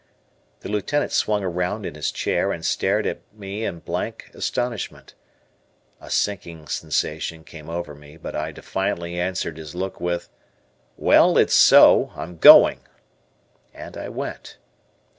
The Lieutenant swung around in his chair, and stared at me in blank astonishment. A sinking sensation came over me, but I defiantly answered his look with, "Well, it's so. I'm going." And I went.